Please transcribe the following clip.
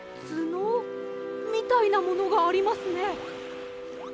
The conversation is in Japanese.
つの？みたいなものがありますね。